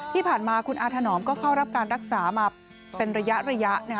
ที่ผ่านมาคุณอาถนอมก็เข้ารับการรักษามาเป็นระยะ